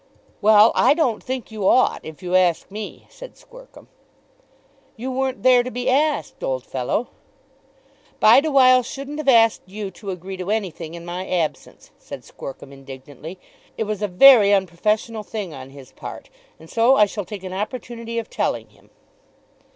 "Well; I don't think you ought, if you ask me," said Squercum. "You weren't there to be asked, old fellow." "Bideawhile shouldn't have asked you to agree to anything in my absence," said Squercum indignantly. "It was a very unprofessional thing on his part, and so I shall take an opportunity of telling him."